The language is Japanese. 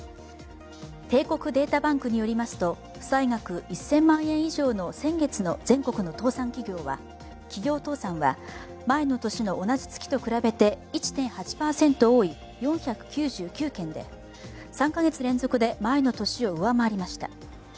帝国データバンクによりますと負債額１０００万円以上の先月の全国の企業倒産は前の年の同じ月と比べて１．８％多い４９９件で、３カ月連続で前の年を上回りました。